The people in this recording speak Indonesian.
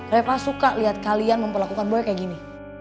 reva suka liat kalian memperlakukan boy kayak gini